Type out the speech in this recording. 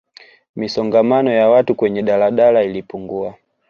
misongamano ya watu kwenye daladala ilipungua